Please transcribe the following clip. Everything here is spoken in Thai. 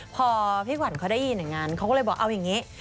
พอพี่ขวัญเขาได้ยินอย่างนั้นเขาก็เลยบอกเอาอย่างนี้